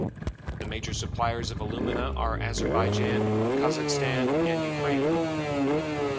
The major suppliers of alumina are Azerbaijan, Kazakhstan, and Ukraine.